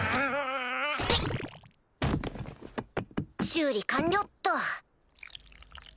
修理完了っと。